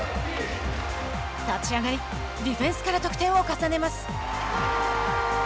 立ち上がりディフェンスから得点を重ねます。